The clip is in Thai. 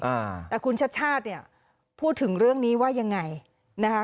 อ่าแต่คุณชาติชาติเนี่ยพูดถึงเรื่องนี้ว่ายังไงนะคะ